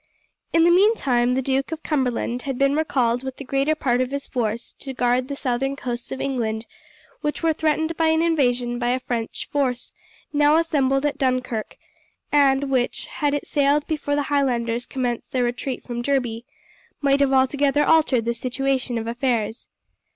In the meantime the Duke of Cumberland had been recalled with the greater part of his force to guard the southern coasts of England, which were threatened by an invasion by a French force now assembled at Dunkirk, and which, had it sailed before the Highlanders commenced their retreat from Derby, might have altogether altered the situation of affairs.